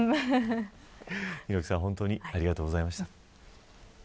猪木さん、本当にありがとうございました。